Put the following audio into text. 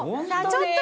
ちょっと。